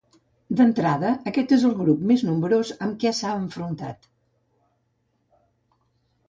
D'entrada, aquest és el grup més nombrós amb què s'ha enfrontat.